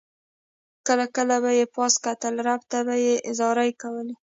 کله کله به یې پاس کتل رب ته به یې زارۍ کولې.